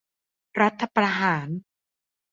รัฐประหาร